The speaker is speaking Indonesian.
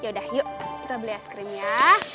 ya udah yuk kita beli es krim ya